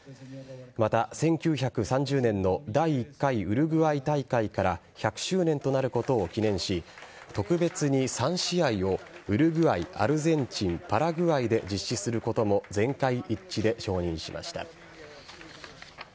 また、１９３０年の第１回ウルグアイ大会から１００周年となることを記念し特別に３試合をウルグアイ、アルゼンチンパラグアイで実施することも全会一致で承認しました。